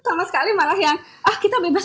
sama sekali malah yang ah kita bebas